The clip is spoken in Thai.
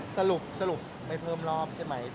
สรุปไม่เพิ่มรอบใช่ไหม